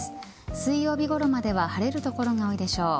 水曜日ごろまでは晴れる所が多いでしょう。